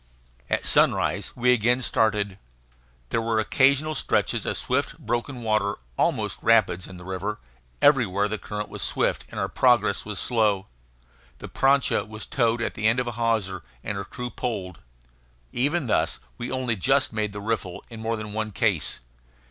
At sunrise we again started. There were occasional stretches of swift, broken water, almost rapids, in the river; everywhere the current was swift, and our progress was slow. The prancha was towed at the end of a hawser, and her crew poled. Even thus we only just made the riffle in more than one case.